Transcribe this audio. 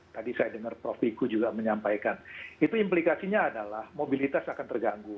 tadi saya dengar prof iku juga menyampaikan itu implikasinya adalah mobilitas akan terganggu